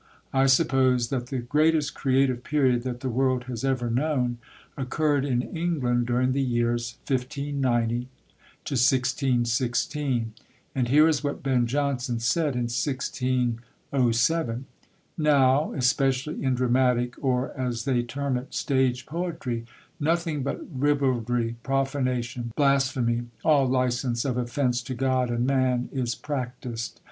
I suppose that the greatest creative period that the world has ever known occurred in England during the years 1590 1616, and here is what Ben Jonson said in 1607: "Now, especially in dramatic, or, as they term it, stage poetry, nothing but ribaldry, profanation, blasphemy, all license of offence to God and man is practised.